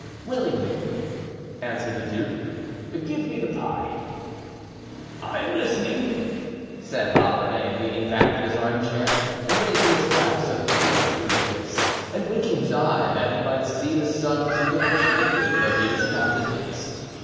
"Willingly," answered the duke, "give me the pie!" "I am listening," said La Ramee, leaning back in his armchair and raising his glass of Madeira to his lips, and winking his eye that he might see the sun through the rich liquid that he was about to taste.